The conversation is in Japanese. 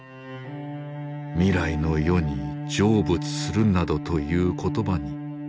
「未来の世に成仏するなどという言葉に用はない」と。